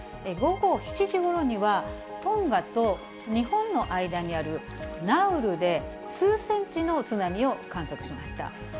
午後７時ごろには、トンガと日本の間にあるナウルで、数センチの津波を観測しました。